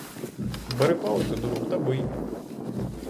Бери палицю до рук та бий!